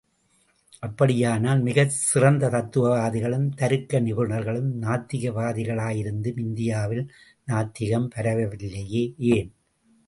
அப்படியானால் மிகச் சிறந்த தத்துவ வாதிகளும், தருக்க நிபுணர்களும் நாத்திகவாதிகளாயிருந்தும், இந்தியாவில் நாத்திகம் பரவவில்லையே, ஏன்?